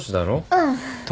うん。